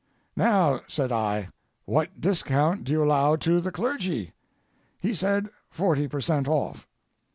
"Now," said I, "what discount do you allow to the clergy?" He said: "Forty per cent. off."